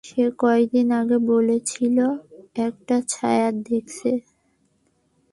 সে কয়েকদিন আগে বলেছিল একটা ছায়া দেখেছে।